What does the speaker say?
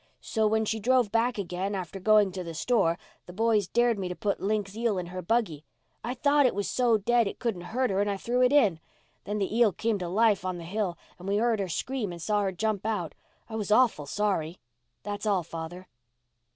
So when she drove back again, after going to the store, the boys dared me to put Link's eel in her buggy. I thought it was so dead it couldn't hurt her and I threw it in. Then the eel came to life on the hill and we heard her scream and saw her jump out. I was awful sorry. That's all, father."